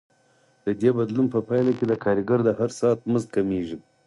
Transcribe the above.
د دې بدلون په پایله کې د کارګر د هر ساعت مزد کمېږي